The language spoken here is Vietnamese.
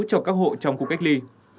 cho các hộ trong cuộc cách ly